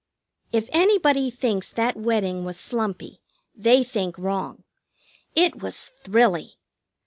If anybody thinks that wedding was slumpy, they think wrong. It was thrilly.